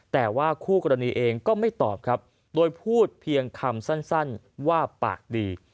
แต่ว่าคู่กรณีเองก็ไม่ตอบครับโดยพูดเพียงคำสั้นว่าปากดี